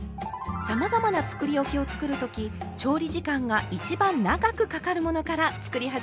さまざまなつくりおきを作るとき調理時間が一番長くかかるものから作り始めるといいですよ。